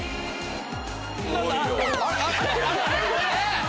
何だ？